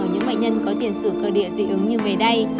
ở những bệnh nhân có tiền sử cơ địa dị ứng như mề đay